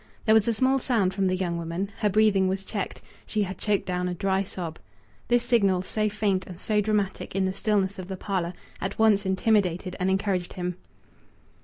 There was a small sound from the young woman; her breathing was checked; she had choked down a dry sob. This signal, so faint and so dramatic in the stillness of the parlour, at once intimidated and encouraged him.